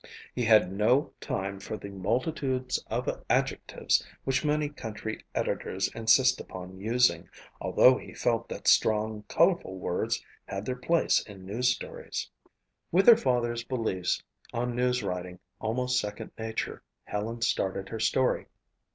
He had no time for the multitudes of adjectives which many country editors insist upon using, although he felt that strong, colorful words had their place in news stories. With her father's beliefs on news writing almost second nature, Helen started her story.